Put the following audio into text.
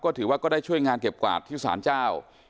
ถือว่าก็ได้ช่วยงานเก็บกวาดที่สารเจ้า